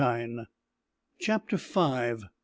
CHAPTER FIVE.